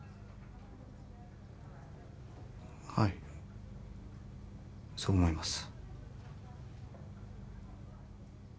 はいそう思います。